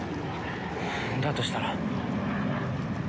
だとしたら。